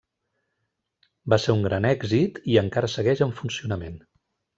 Va ser un gran èxit, i encara segueix en funcionament.